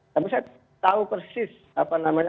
tapi saya tahu persis apa namanya